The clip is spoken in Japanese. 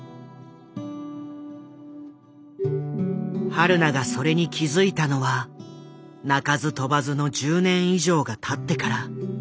はるながそれに気付いたのは鳴かず飛ばずの１０年以上がたってから。